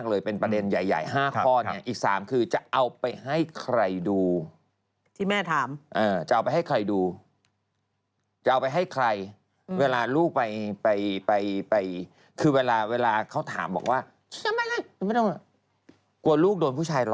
ก็คงคิดว่าลูกดูดูแลแสดงไม่ได้